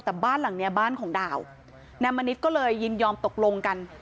แต่บ้านหลังเนี้ยบ้านของดาวนายมณิษฐ์ก็เลยยินยอมตกลงกัน